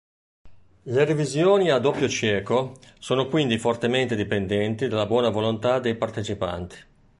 Le revisioni a doppio cieco sono quindi fortemente dipendenti dalla buona volontà dei partecipanti.